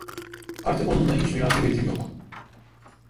Artık onunla hiç münasebetim yok…